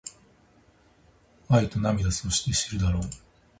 愛と涙そして知るだろう